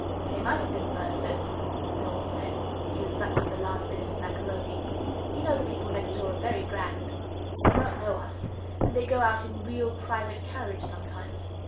'They might have been burglars,' Noel said. He was sucking the last bit of his macaroni. 'You know the people next door are very grand. They won't know us and they go out in a real private carriage sometimes.